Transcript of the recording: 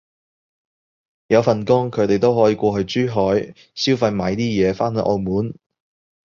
有份工，佢哋都可以過去珠海消費買啲嘢返去澳門